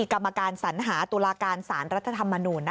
กรรมการสัญหาตุลาการสารรัฐธรรมนูญ